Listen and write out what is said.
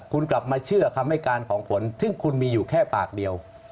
คุณกลับมาเชื่อคำให้การของผลซึ่งคุณมีอยู่แค่ปากเดียว